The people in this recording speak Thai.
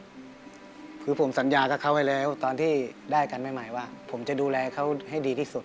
คือผมสัญญากับเขาไว้แล้วตอนที่ได้กันใหม่ว่าผมจะดูแลเขาให้ดีที่สุด